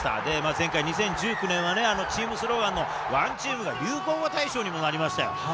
前回２０１９年はチームスローガンの「ＯＮＥＴＥＡＭ」が流行語大賞にもなりましたよ。